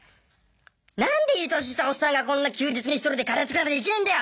何でいい年したおっさんがこんな休日に１人でカレー作らなきゃいけねぇんだよ！